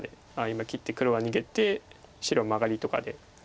今切って黒が逃げて白はマガリとかで。